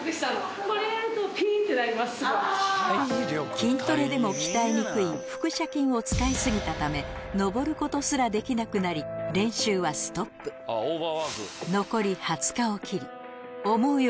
筋トレでも鍛えにくい腹斜筋を使い過ぎたため登ることすらできなくなり練習はストップ残り２０日を切り思うような上達ができず焦る